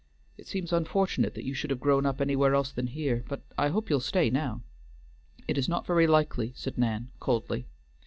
It seems unfortunate that you should have grown up anywhere else than here; but I hope you'll stay now?" "It is not very likely," said Nan coldly.